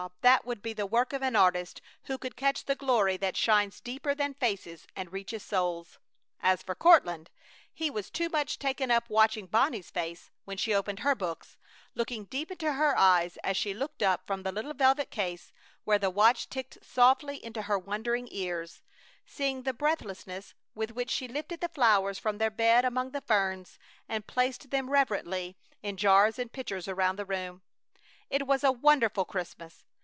That would be the work of an artist who could catch the glory that shines deeper than faces and reaches souls! As for Courtland, he was too much taken up watching Bonnie's face when she opened her books, looking deep into her eyes as she looked up from the little velvet case where the watch ticked softly into her wondering ears; seeing the breathlessness with which she lifted the flowers from their bed among the ferns and placed them reverently in jars and pitchers around the room. It was a wonderful Christmas!